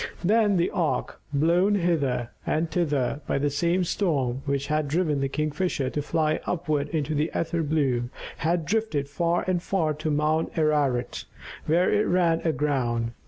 Then the ark, blown hither and thither by the same storm which had driven the Kingfisher to fly upward into the ether blue, had drifted far and far to Mount Ararat, where it ran aground.